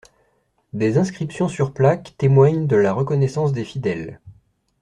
Des inscriptions sur plaques témoignent de la reconnaissance des fidèles.